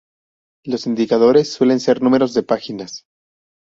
Los indicadores suelen ser números de páginas.